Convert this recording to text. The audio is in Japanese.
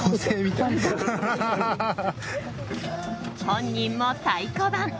本人も太鼓判。